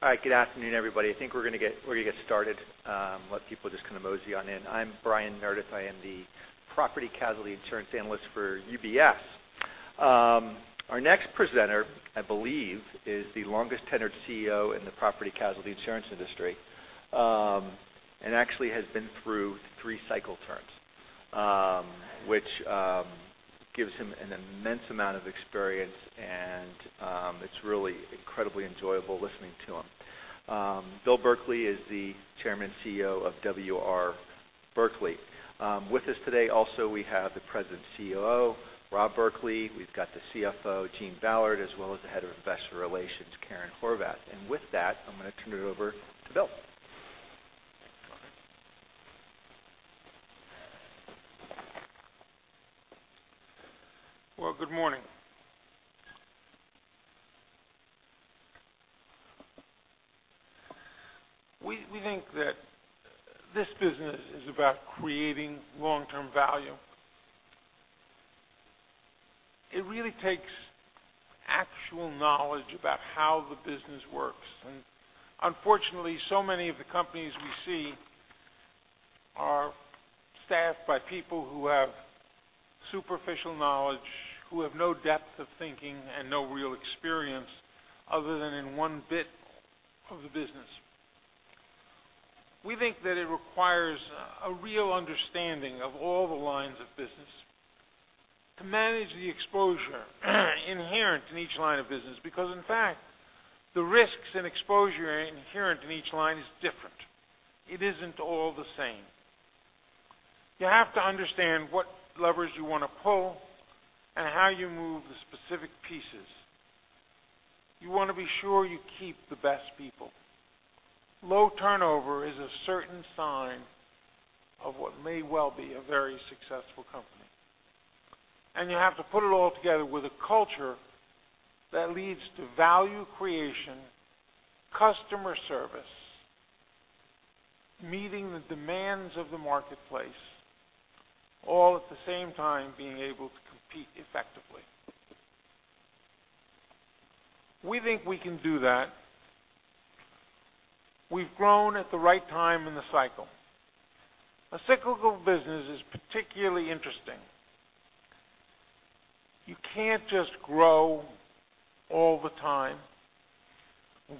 All right. Good afternoon, everybody. I think we're going to get started, let people just kind of mosey on in. I'm Brian Meredith. I am the Property Casualty Insurance Analyst for UBS. Our next presenter, I believe, is the longest-tenured CEO in the property casualty insurance industry, and actually has been through three cycle terms which gives him an immense amount of experience, and it's really incredibly enjoyable listening to him. Bill Berkley is the Chairman, CEO of W. R. Berkley Corporation. With us today also, we have the President and COO, Rob Berkley. We've got the CFO, Gene Ballard, as well as the Head of Investor Relations, Karen Horvath. With that, I'm going to turn it over to Bill. Well, good morning. We think that this business is about creating long-term value. It really takes actual knowledge about how the business works, unfortunately, so many of the companies we see are staffed by people who have superficial knowledge, who have no depth of thinking, and no real experience other than in one bit of the business. We think that it requires a real understanding of all the lines of business to manage the exposure inherent in each line of business, because in fact, the risks and exposure inherent in each line is different. It isn't all the same. You have to understand what levers you want to pull and how you move the specific pieces. You want to be sure you keep the best people. Low turnover is a certain sign of what may well be a very successful company. You have to put it all together with a culture that leads to value creation, customer service, meeting the demands of the marketplace, all at the same time being able to compete effectively. We think we can do that. We've grown at the right time in the cycle. A cyclical business is particularly interesting. You can't just grow all the time.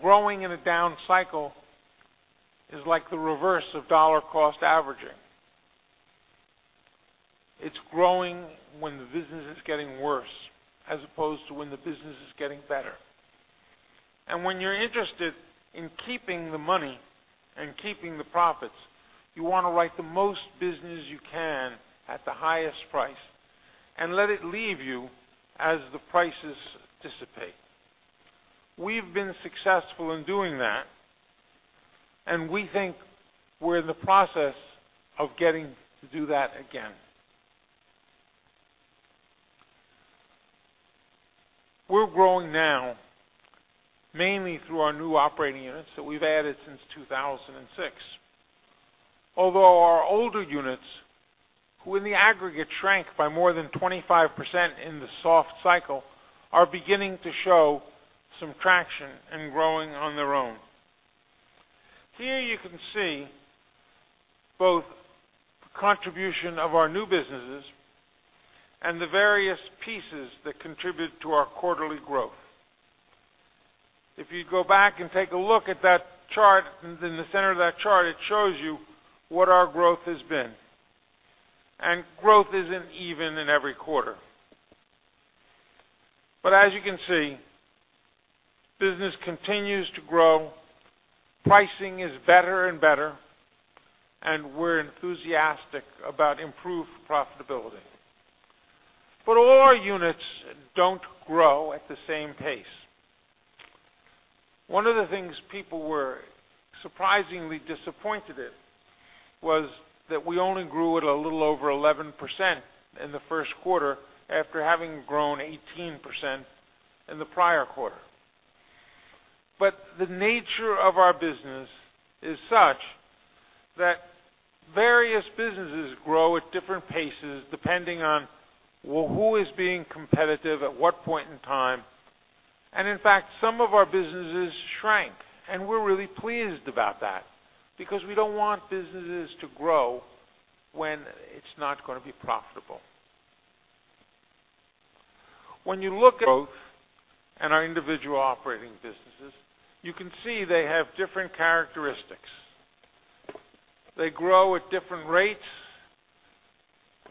Growing in a down cycle is like the reverse of dollar-cost averaging. It's growing when the business is getting worse, as opposed to when the business is getting better. When you're interested in keeping the money and keeping the profits, you want to write the most business you can at the highest price and let it leave you as the prices dissipate. We've been successful in doing that, and we think we're in the process of getting to do that again. We're growing now mainly through our new operating units that we've added since 2006. Although our older units, who in the aggregate shrank by more than 25% in the soft cycle, are beginning to show some traction and growing on their own. Here you can see both the contribution of our new businesses and the various pieces that contribute to our quarterly growth. If you go back and take a look at that chart, in the center of that chart, it shows you what our growth has been. Growth isn't even in every quarter. As you can see, business continues to grow, pricing is better and better, and we're enthusiastic about improved profitability. All our units don't grow at the same pace. One of the things people were surprisingly disappointed in was that we only grew at a little over 11% in the first quarter after having grown 18% in the prior quarter. The nature of our business is such that various businesses grow at different paces depending on, well, who is being competitive at what point in time. In fact, some of our businesses shrank, and we're really pleased about that because we don't want businesses to grow when it's not going to be profitable. When you look at growth and our individual operating businesses, you can see they have different characteristics. They grow at different rates.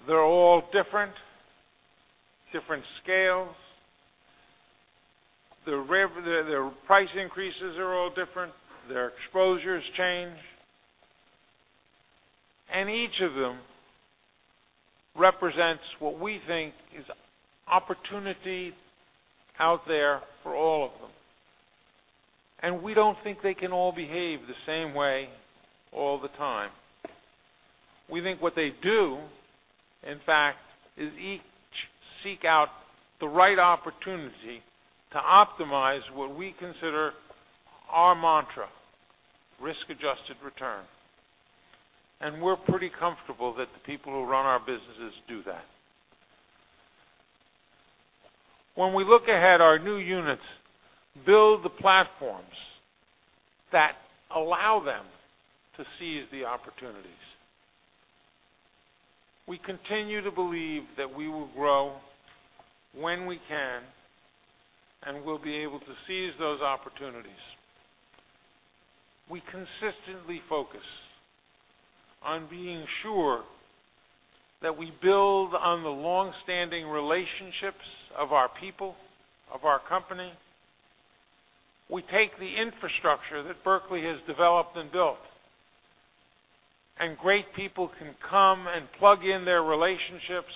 They're all different scales. Their price increases are all different. Their exposures change. Each of them represents what we think is opportunity out there for all of them. We don't think they can all behave the same way all the time. We think what they do, in fact, is each seek out the right opportunity to optimize what we consider our mantra, risk-adjusted return. We're pretty comfortable that the people who run our businesses do that. When we look ahead, our new units build the platforms that allow them to seize the opportunities. We continue to believe that we will grow when we can, and we'll be able to seize those opportunities. We consistently focus on being sure that we build on the longstanding relationships of our people, of our company. We take the infrastructure that Berkley has developed and built, great people can come and plug in their relationships,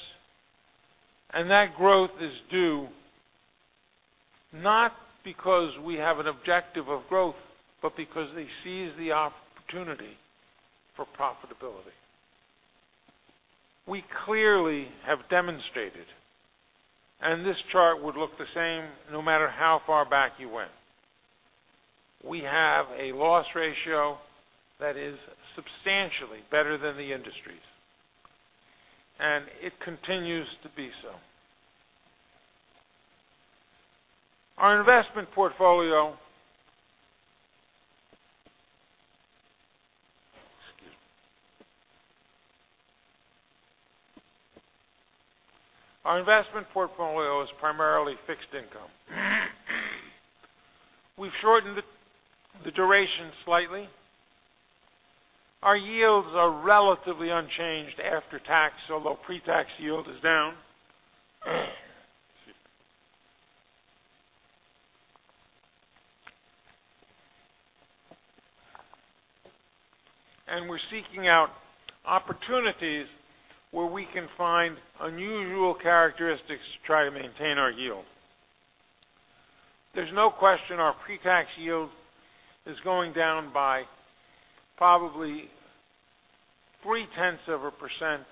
that growth is due, not because we have an objective of growth, but because they seize the opportunity for profitability. We clearly have demonstrated, this chart would look the same no matter how far back you went. We have a loss ratio that is substantially better than the industry's, and it continues to be so. Our investment portfolio Excuse me. Our investment portfolio is primarily fixed income. We've shortened the duration slightly. Our yields are relatively unchanged after tax, although pre-tax yield is down. Excuse me. We're seeking out opportunities where we can find unusual characteristics to try to maintain our yield. There's no question our pre-tax yield is going down by probably three tenths of a %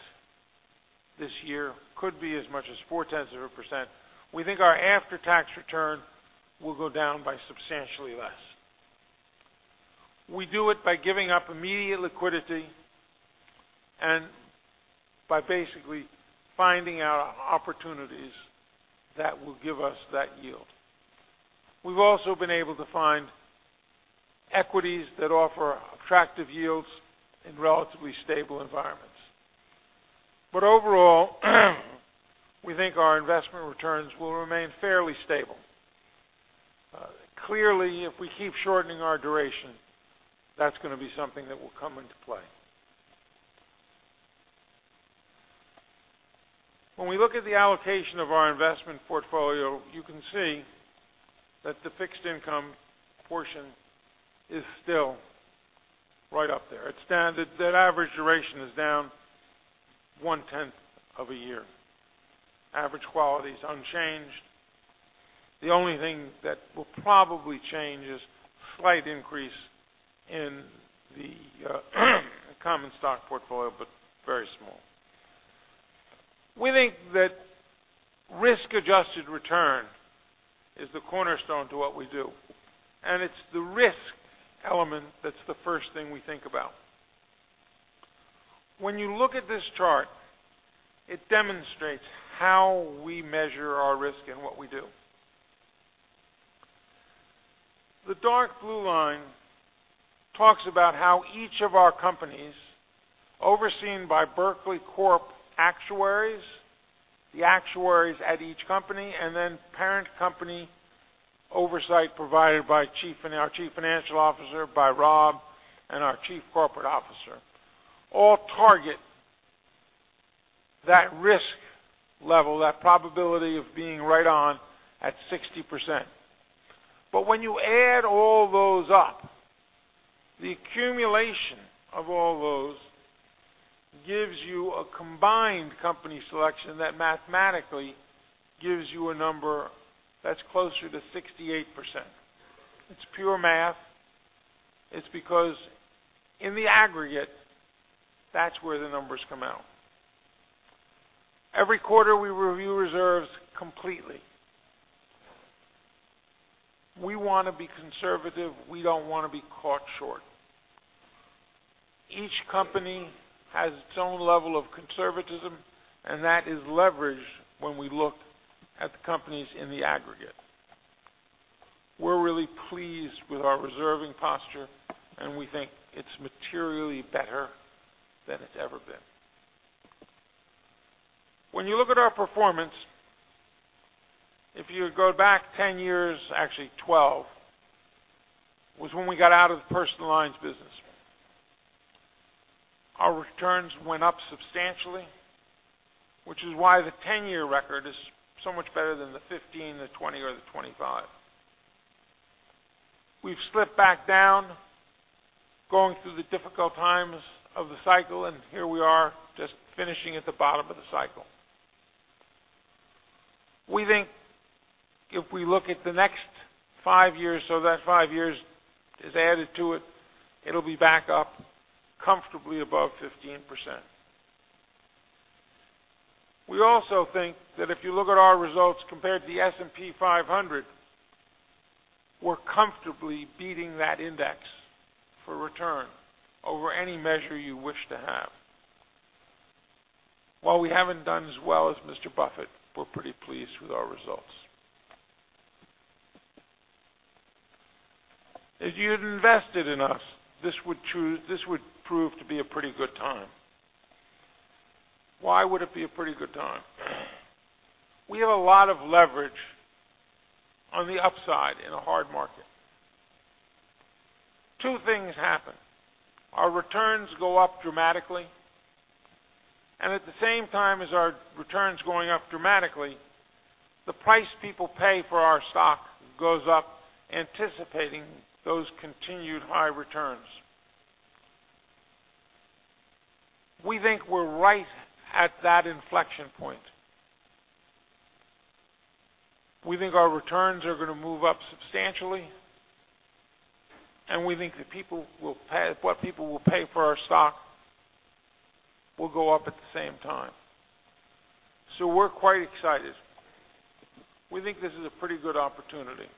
this year, could be as much as four tenths of a %. We think our after-tax return will go down by substantially less. We do it by giving up immediate liquidity and by basically finding out opportunities that will give us that yield. We've also been able to find equities that offer attractive yields in relatively stable environments. Overall, we think our investment returns will remain fairly stable. Clearly, if we keep shortening our duration, that's going to be something that will come into play. When we look at the allocation of our investment portfolio, you can see that the fixed income portion is still right up there. That average duration is down one tenth of a year. Average quality is unchanged. The only thing that will probably change is slight increase in the common stock portfolio, but very small. We think that risk-adjusted return is the cornerstone to what we do, and it's the risk element that's the first thing we think about. When you look at this chart, it demonstrates how we measure our risk and what we do. The dark blue line talks about how each of our companies, overseen by Berkley Corp actuaries, the actuaries at each company, and then parent company oversight provided by our chief financial officer, by Rob, and our chief corporate officer, all target that risk level, that probability of being right on at 60%. When you add all those up, the accumulation of all those gives you a combined company selection that mathematically gives you a number that's closer to 68%. It's pure math. It's because in the aggregate, that's where the numbers come out. Every quarter, we review reserves completely. We want to be conservative. We don't want to be caught short. Each company has its own level of conservatism, and that is leveraged when we look at the companies in the aggregate. We're really pleased with our reserving posture, and we think it's materially better than it's ever been. When you look at our performance, if you go back 10 years, actually 12, was when we got out of the personal lines business. Our returns went up substantially, which is why the 10-year record is so much better than the 15, the 20, or the 25. We've slipped back down, going through the difficult times of the cycle, and here we are just finishing at the bottom of the cycle. We think if we look at the next five years so that five years is added to it'll be back up comfortably above 15%. We also think that if you look at our results compared to the S&P 500, we're comfortably beating that index for return over any measure you wish to have. While we haven't done as well as Warren Buffett, we're pretty pleased with our results. If you'd invested in us, this would prove to be a pretty good time. Why would it be a pretty good time? We have a lot of leverage on the upside in a hard market. Two things happen. Our returns go up dramatically, and at the same time as our returns going up dramatically, the price people pay for our stock goes up, anticipating those continued high returns. We think we're right at that inflection point. We think our returns are going to move up substantially, and we think what people will pay for our stock will go up at the same time. We're quite excited. We think this is a pretty good opportunity.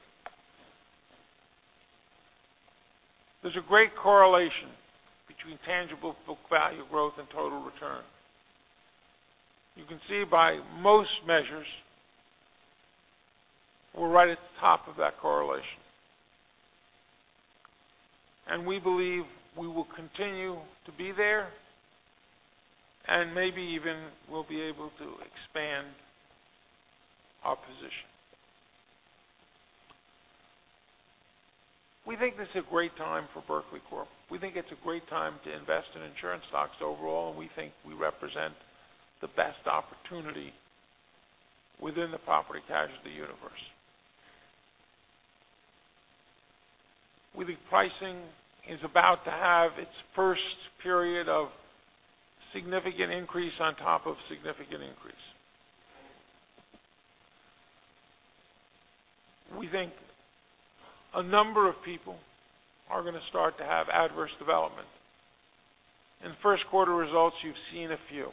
There's a great correlation between tangible book value growth and total return. You can see by most measures, we're right at the top of that correlation. We believe we will continue to be there, and maybe even we'll be able to expand our position. We think this is a great time for Berkley Corp. We think it's a great time to invest in insurance stocks overall, and we think we represent the best opportunity within the property casualty universe. We think pricing is about to have its first period of significant increase on top of significant increase. We think a number of people are going to start to have adverse development. In first quarter results, you've seen a few.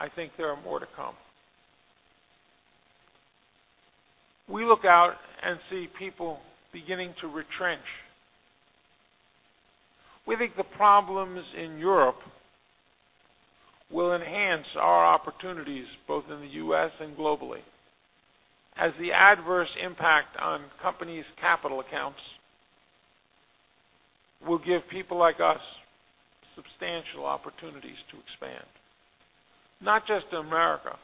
I think there are more to come. We look out and see people beginning to retrench. We think the problems in Europe will enhance our opportunities both in the U.S. and globally, as the adverse impact on companies' capital accounts will give people like us substantial opportunities to expand, not just in America,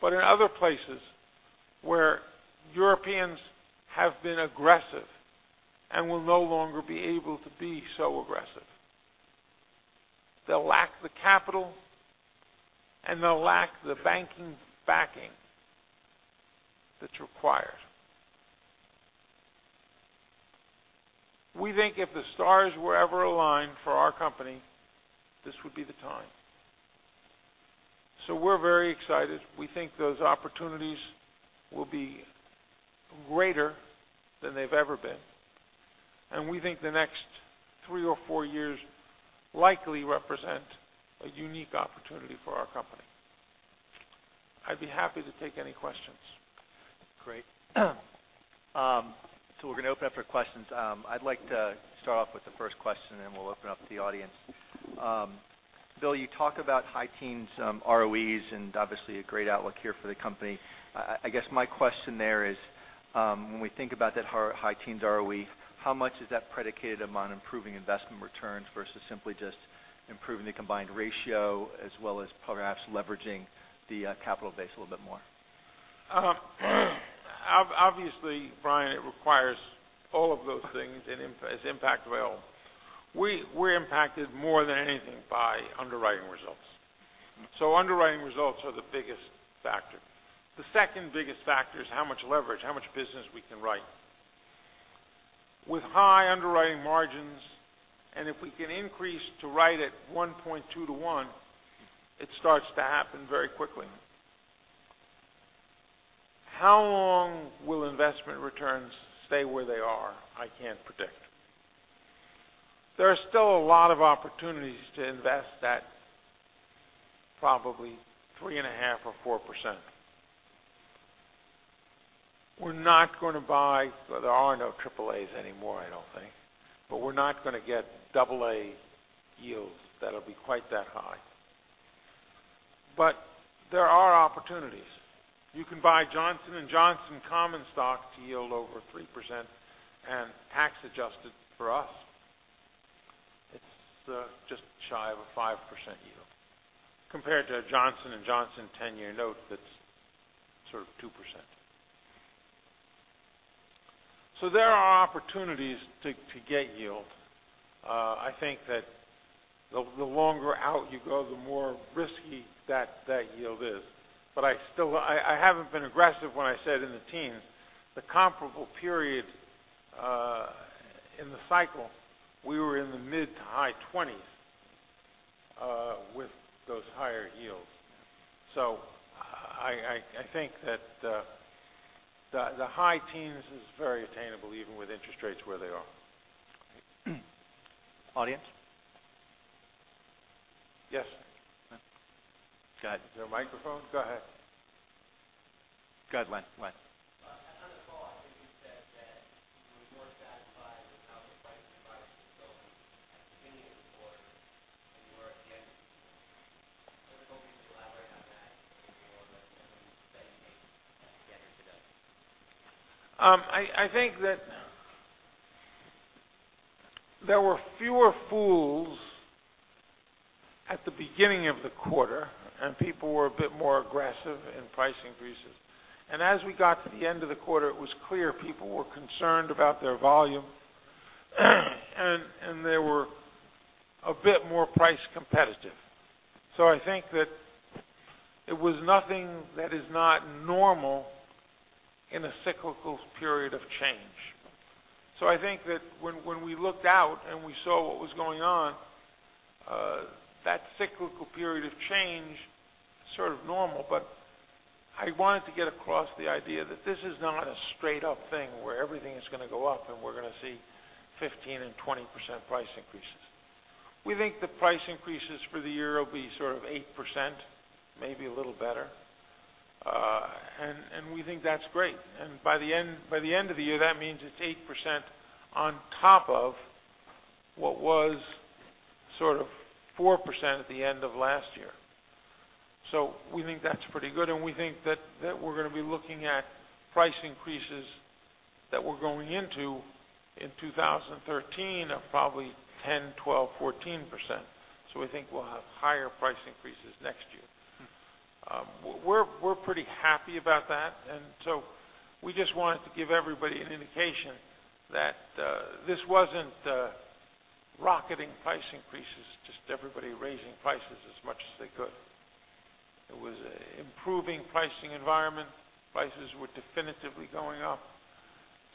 but in other places where Europeans have been aggressive and will no longer be able to be so aggressive. They'll lack the capital, and they'll lack the banking backing that's required. We think if the stars were ever aligned for our company, this would be the time. We're very excited. We think those opportunities will be greater than they've ever been. We think the next three or four years likely represent a unique opportunity for our company. I'd be happy to take any questions. Great. We're going to open up for questions. I'd like to start off with the first question, and then we'll open up to the audience. Bill, you talk about high teens ROEs and obviously a great outlook here for the company. I guess my question there is, when we think about that high teens ROE, how much is that predicated upon improving investment returns versus simply just improving the combined ratio, as well as perhaps leveraging the capital base a little bit more? Obviously, Brian, it requires all of those things and is impactful. We're impacted more than anything by underwriting results. Underwriting results are the biggest factor. The second biggest factor is how much leverage, how much business we can write. With high underwriting margins, and if we can increase to write at 1.2 to 1, it starts to happen very quickly. How long will investment returns stay where they are? I can't predict. There are still a lot of opportunities to invest that probably 3.5% or 4%. We're not going to buy Well, there are no AAAs anymore, I don't think. We're not going to get AA yields that'll be quite that high. There are opportunities. You can buy Johnson & Johnson common stock to yield over 3%, and tax adjusted for us, it's just shy of a 5% yield, compared to a Johnson & Johnson 10-year note that's sort of 2%. There are opportunities to get yield. I think that the longer out you go, the more risky that yield is. I haven't been aggressive when I said in the teens. The comparable period in the cycle, we were in the mid to high 20s with those higher yields. I think that the high teens is very attainable, even with interest rates where they are. Okay. Audience? Yes. Go ahead. Is there a microphone? Go ahead. Go ahead, Len. On the call, I think you said that you were more satisfied with how the pricing environment was going at the beginning of the quarter than you were at the end of the quarter. I was hoping you could elaborate on that a little bit and the study you made at the end of today. I think that there were fewer fools at the beginning of the quarter, and people were a bit more aggressive in price increases. As we got to the end of the quarter, it was clear people were concerned about their volume, and they were a bit more price competitive. I think that it was nothing that is not normal in a cyclical period of change. I think that when we looked out and we saw what was going on, that cyclical period of change, sort of normal, but I wanted to get across the idea that this is not a straight up thing where everything is going to go up and we're going to see 15% and 20% price increases. We think the price increases for the year will be 8%, maybe a little better. We think that's great. By the end of the year, that means it's 8% on top of what was 4% at the end of last year. We think that's pretty good, and we think that we're going to be looking at price increases that we're going into in 2013 of probably 10%, 12%, 14%. We think we'll have higher price increases next year. We're pretty happy about that. We just wanted to give everybody an indication that this wasn't rocketing price increases, just everybody raising prices as much as they could. It was improving pricing environment. Prices were definitively going up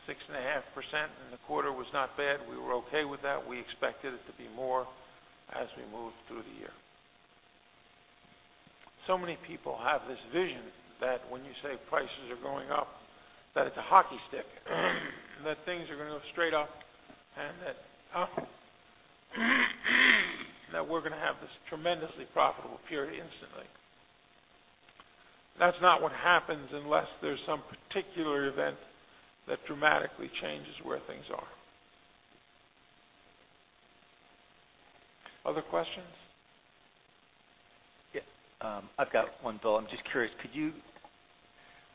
6.5% and the quarter was not bad. We were okay with that. We expected it to be more as we moved through the year. Many people have this vision that when you say prices are going up, that it's a hockey stick. Things are going to go straight up and that we're going to have this tremendously profitable period instantly. That's not what happens unless there's some particular event that dramatically changes where things are. Other questions? Yeah. I've got one, Bill. I'm just curious.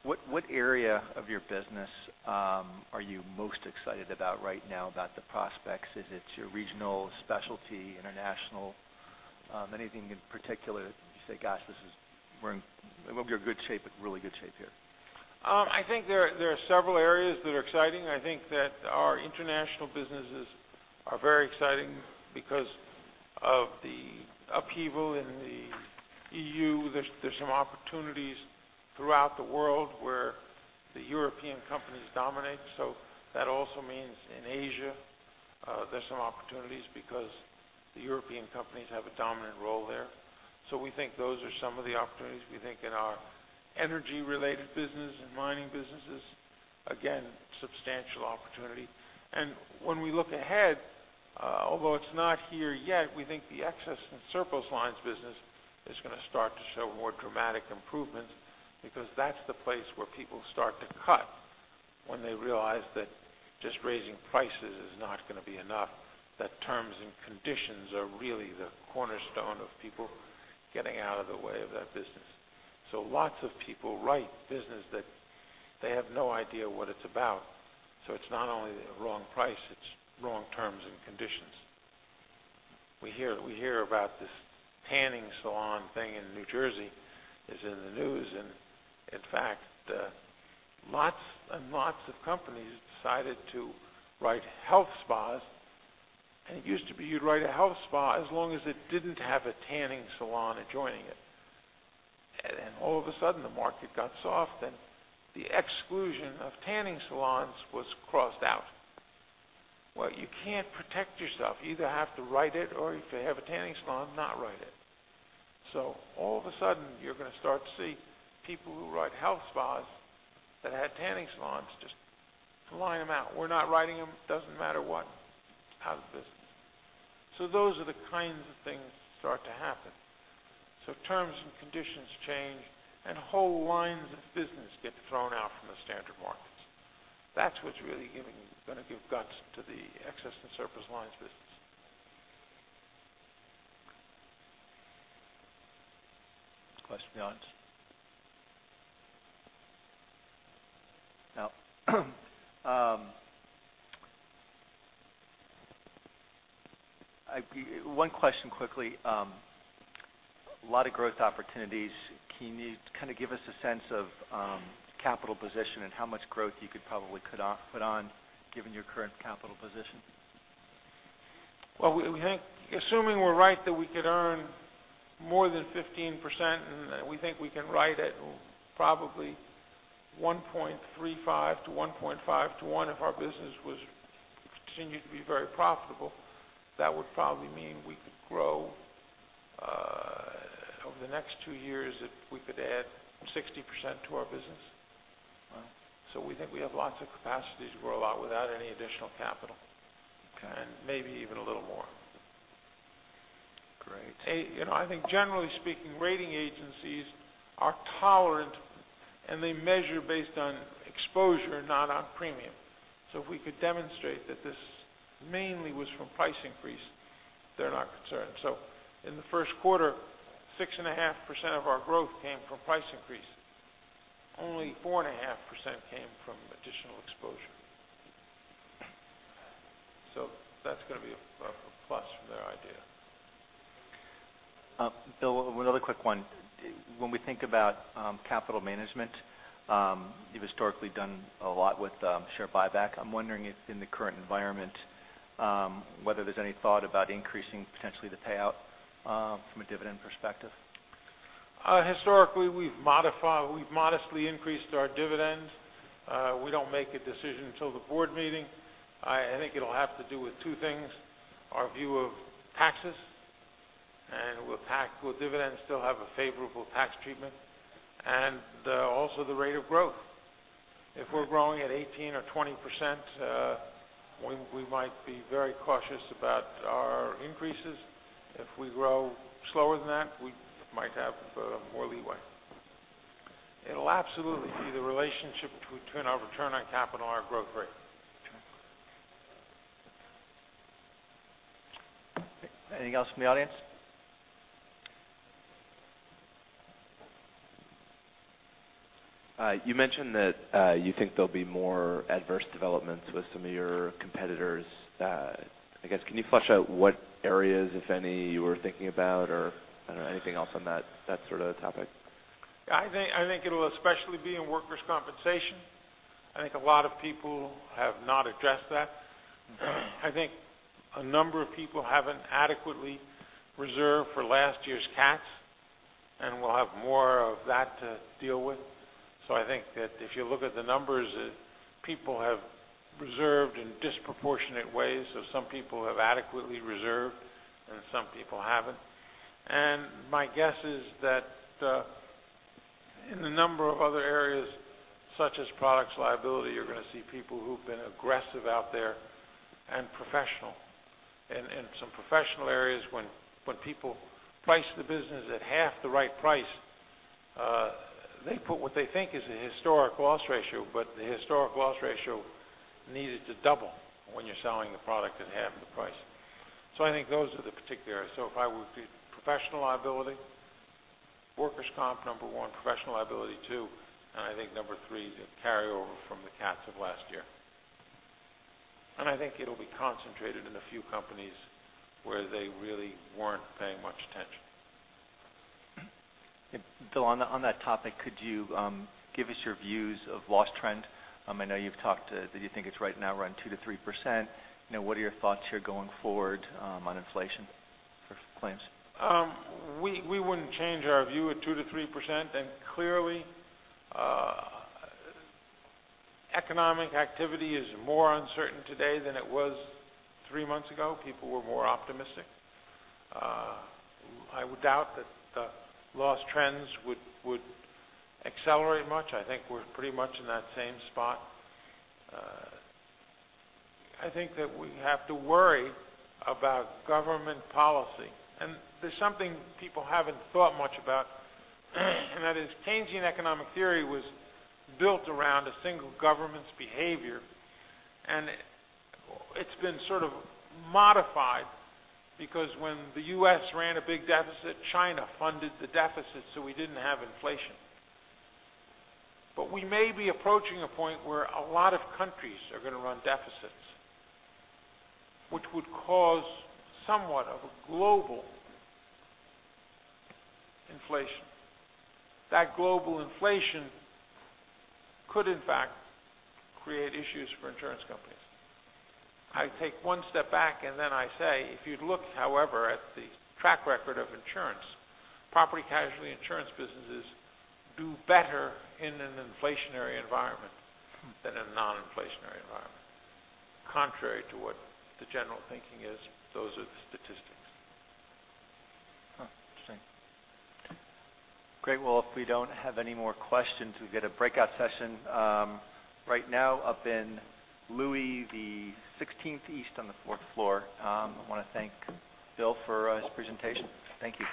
What area of your business are you most excited about right now about the prospects? Is it your regional specialty, international? Anything in particular that you say, "Gosh, we're in good shape, but really good shape here"? I think there are several areas that are exciting. I think that our international businesses are very exciting because of the upheaval in the EU. There's some opportunities throughout the world where the European companies dominate. That also means in Asia, there's some opportunities because the European companies have a dominant role there. We think those are some of the opportunities. We think in our energy related business and mining businesses, again, substantial opportunity. When we look ahead, although it's not here yet, we think the excess and surplus lines business is going to start to show more dramatic improvements because that's the place where people start to cut when they realize that just raising prices is not going to be enough, that terms and conditions are really the cornerstone of people getting out of the way of that business. Lots of people write business that they have no idea what it's about. It's not only the wrong price, it's wrong terms and conditions. We hear about this tanning salon thing in New Jersey that's in the news, and in fact, lots and lots of companies decided to write health spas, and it used to be you'd write a health spa as long as it didn't have a tanning salon adjoining it. All of a sudden, the market got soft, and the exclusion of tanning salons was crossed out. Well, you can't protect yourself. You either have to write it, or if they have a tanning salon, not write it. All of a sudden, you're going to start to see people who write health spas that had tanning salons just line them out. We're not writing them, doesn't matter what, out of business. Those are the kinds of things that start to happen. Terms and conditions change, and whole lines of business get thrown out from the standard markets. That's what's really going to give guts to the excess and surplus lines business. Questions beyond? One question quickly. A lot of growth opportunities. Can you kind of give us a sense of capital position and how much growth you could probably put on given your current capital position? Well, we think assuming we're right that we could earn more than 15%, and we think we can write at probably 1.35 to 1.5 to one if our business continued to be very profitable, that would probably mean we could grow over the next two years, if we could add 60% to our business. We think we have lots of capacity to grow a lot without any additional capital. Okay. Maybe even a little more. Great. I think generally speaking, rating agencies are tolerant, and they measure based on exposure, not on premium. If we could demonstrate that this mainly was from price increase, they're not concerned. In the first quarter, six and a half percent of our growth came from price increases. Only four and a half percent came from additional exposure. That's going to be a plus from their idea. Bill, one other quick one. When we think about capital management, you've historically done a lot with share buyback. I'm wondering if in the current environment, whether there's any thought about increasing potentially the payout from a dividend perspective. Historically, we've modestly increased our dividends. We don't make a decision till the board meeting. I think it'll have to do with two things, our view of taxes, and will dividends still have a favorable tax treatment, and also the rate of growth. If we're growing at 18% or 20%, we might be very cautious about our increases. If we grow slower than that, we might have more leeway. It'll absolutely be the relationship between our return on capital and our growth rate. Okay. Anything else from the audience? You mentioned that you think there'll be more adverse developments with some of your competitors. I guess, can you flesh out what areas, if any, you were thinking about or, I don't know, anything else on that sort of topic? I think it'll especially be in workers' compensation. I think a lot of people have not addressed that. I think a number of people haven't adequately reserved for last year's cats, and we'll have more of that to deal with. I think that if you look at the numbers, people have reserved in disproportionate ways. Some people have adequately reserved, and some people haven't. My guess is that in the number of other areas, such as products liability, you're going to see people who've been aggressive out there and professional. In some professional areas, when people price the business at half the right price, they put what they think is a historic loss ratio, but the historic loss ratio needed to double when you're selling the product at half the price. I think those are the particular areas. It would be professional liability, workers' comp, number one, professional liability, two, I think number three is a carryover from the cats of last year. I think it'll be concentrated in a few companies where they really weren't paying much attention. Bill, on that topic, could you give us your views of loss trend? I know that you think it's right now around two to 3%. What are your thoughts here going forward on inflation for claims? We wouldn't change our view of two to 3%. Clearly, economic activity is more uncertain today than it was three months ago. People were more optimistic. I would doubt that the loss trends would accelerate much. I think we're pretty much in that same spot. I think that we have to worry about government policy. There's something people haven't thought much about, and that is Keynesian economic theory was built around a single government's behavior. It's been sort of modified because when the U.S. ran a big deficit, China funded the deficit, so we didn't have inflation. We may be approaching a point where a lot of countries are going to run deficits, which would cause somewhat of a global inflation. That global inflation could, in fact, create issues for insurance companies. I take one step back and then I say, if you'd look, however, at the track record of insurance, property casualty insurance businesses do better in an inflationary environment than a non-inflationary environment. Contrary to what the general thinking is, those are the statistics. Huh, interesting. Great. Well, if we don't have any more questions, we've got a breakout session right now up in Louis XVI East on the fourth floor. I want to thank Bill for his presentation. Thank you.